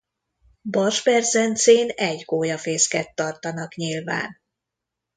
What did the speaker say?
Barsberzencén egy gólyafészket tartanak nyilván.